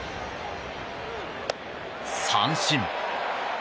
三振。